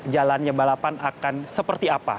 jalannya balapan akan seperti apa